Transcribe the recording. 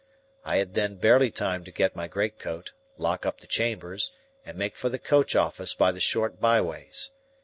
I had then barely time to get my great coat, lock up the chambers, and make for the coach office by the short by ways.